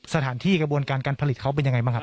สถานที่กระบวนการการผลิตเขาเป็นยังไงบ้างครับ